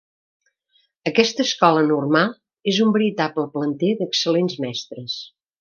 Aquesta escola normal és un veritable planter d'excel·lents mestres.